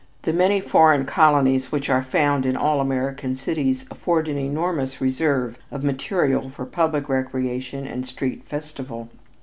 The many foreign colonies which are found in all American cities afford an enormous reserve of material for public recreation and street festival.